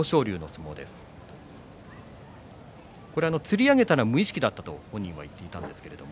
つり上げたのは無意識だったと本人は言っていました。